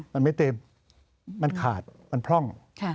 มันไม่เต็มมันขาดมันพร่อง